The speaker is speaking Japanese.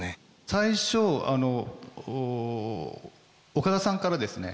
最初岡田さんからですね